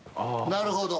なるほど。